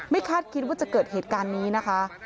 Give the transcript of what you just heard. คาดคิดว่าจะเกิดเหตุการณ์นี้นะคะ